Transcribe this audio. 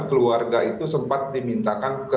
keluarga itu sempat dimintakan